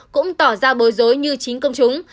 cũng tỏ ra bối rối như chính công chúng